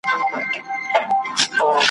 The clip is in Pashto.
سبا اختر دی خو د چا اختر دی `